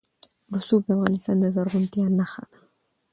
رسوب د افغانستان د زرغونتیا نښه ده.